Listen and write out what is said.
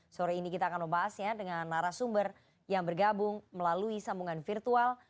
sore ini kita akan membahasnya dengan narasumber yang bergabung melalui sambungan virtual